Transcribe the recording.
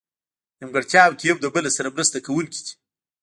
نیمګړتیاوو کې یو له بله سره مرسته کوونکي دي.